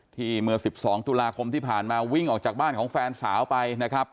เมื่อ๑๒ตุลาคมที่ผ่านมาวิ่งออกจากบ้านของแฟนสาวไปนะครับ